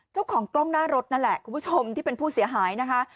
เจ้าของกล้องหน้ารถนั่นแหละคุณผู้ชมที่เป็นผู้เสียหายนะคะ